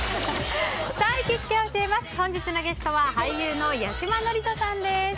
本日のゲストは俳優の八嶋智人さんです。